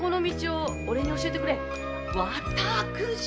“わたくし”！